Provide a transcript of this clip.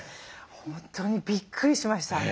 本当にびっくりしました。